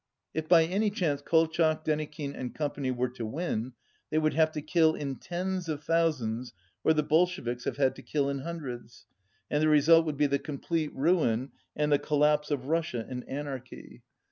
If by any chance Kolchak, Denikin and Co. were to win, they would have to kill in tens of thousands where the Bolsheviks have had to kill in hundreds, and the result would be the complete ruin and the collapse of Russia in anarchy.